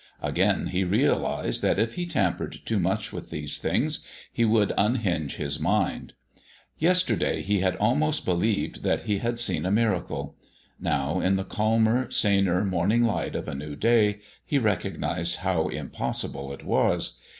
Again he realized that if he tampered too much with these things he would unhinge his mind. Yesterday he had almost believed that he had seen a miracle; now, in the calmer, saner morning light of a new day, he recognized how impossible it was.